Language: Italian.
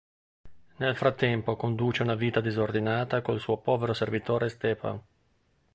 Nel frattempo conduce una vita disordinata con il suo povero servitore Stepan.